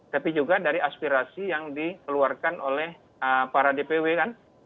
tapi juga dari aspirasi yang dikeluarkan oleh para dpw kan